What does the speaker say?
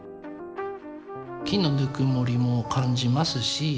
木のぬくもりも感じますし。